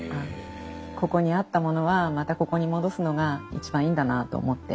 ここにあったものはまたここに戻すのが一番いいんだなと思って。